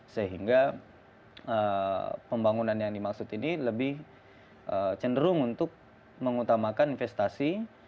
sehingga pembangunan yang dimaksud ini lebih cenderung untuk mengutamakan investasi